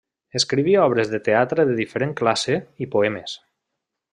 Escriví obres de teatre de diferent classe i poemes.